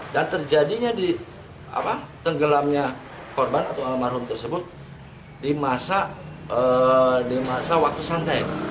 dan terjadinya tenggelamnya korban atau almarhum tersebut di masa waktu santai